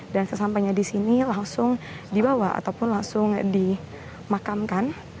dan sesampainya disini langsung dibawa ataupun langsung dimakamkan